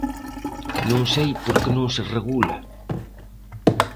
Non sei por que non se regula.